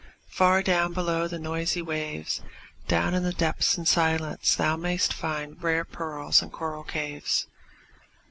far down below the noisy waves, Down in the depths and silence thou mayst find Rare pearls and coral caves.